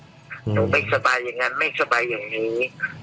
หนูไม่สบายอย่างนั้นไม่สบายอย่างนี้